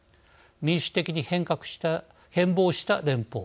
「民主的に変貌した連邦」